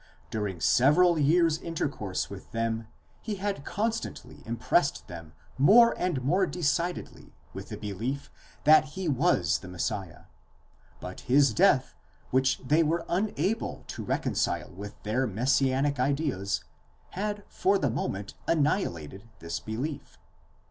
During several years' intercourse with them he had constantly impressed them more and more decidedly with the belief that he was the Messiah ; but his death, which they were unable to reconcile with their messianic ideas, had for the moment annihilated this belief.